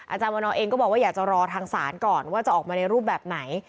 อาจารย์วันนอเองก็บอกว่าอยากจะรอทางศาลก่อนว่าจะออกมาในรูปแบบไหน